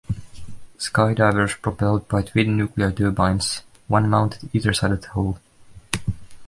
Skydiver was propelled by twin nuclear turbines, one mounted either side of the hull.